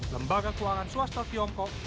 lembaga keuangan swasta tiongkok